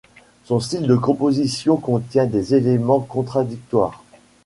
Son style de composition contient des éléments contradictoires.